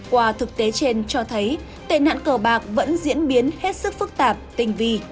qua thực tế trên cho thấy tệ nạn cờ bạc vẫn diễn biến hết sức phức tạp tình vi